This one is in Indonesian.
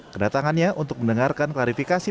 kedatangannya untuk mendengarkan klarifikasi